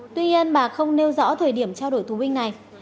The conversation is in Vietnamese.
tuy nhiên bà không nêu rõ thời điểm trao đổi tù binh này